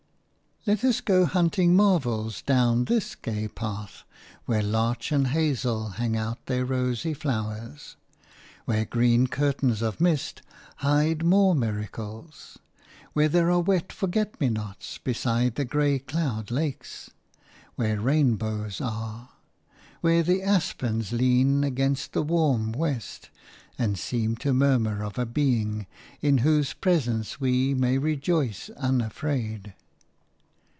Let us go hunting marvels down this gay path, where larch and hazel hang out their rosy flowers; where green curtains of mist hide more miracles; where there are wet forget me nots beside the grey cloud lakes; where rainbows are; where the aspens lean against the warm west and seem to murmur of a Being in whose presence we may rejoice unafraid.